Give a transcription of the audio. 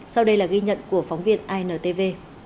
sau đây là ghi nhận của phóng viên intv